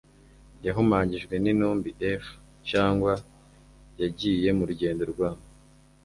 yahumanyijwe n intumbi f cyangwa yagiye mu rugendo rwa